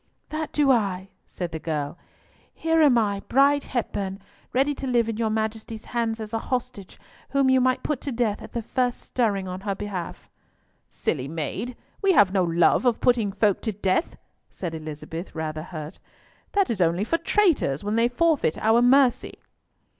"That do I," said the girl. "Here am I, Bride Hepburn, ready to live in your Majesty's hands as a hostage, whom you might put to death at the first stirring on her behalf." "Silly maid, we have no love of putting folk to death," said Elizabeth, rather hurt. "That is only for traitors, when they forfeit our mercy."